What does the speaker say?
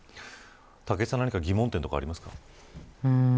武井さん何か疑問点とかありますか。